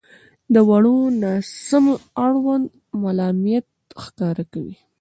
• د وړو ناسمیو اړوند ملایمت ښکاره کوئ.